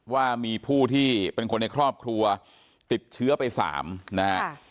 ว่ามีผู้ที่เป็นคนในครอบครัวติดเชื้อไป๓นะฮะ